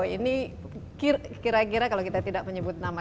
ini kira kira kalau kita tidak menyebut nama